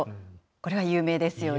これは有名ですよね。